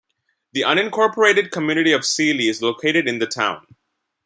The unincorporated community of Seeley is located in the town.